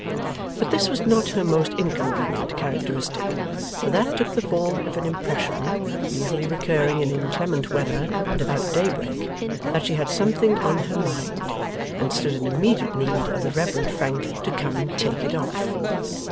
But this was not her most inconvenient characteristic, for that took the form of an impression, usually recurring in inclement weather and at about daybreak, that she had something on her mind and stood in immediate need of the Reverend Frank to come and take it off.